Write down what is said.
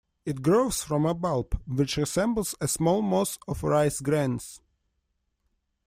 It grows from a bulb, which resembles a small mass of rice grains.